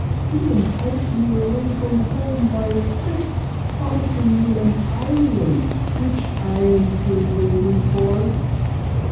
He enticed me away from home by a trick, promising me an island, which I am still waiting for."